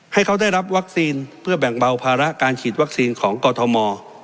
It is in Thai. ให้เขาได้รับวัคซีนเพื่อแบ่งเบาภาระการฉีดวัคซีนของกรทม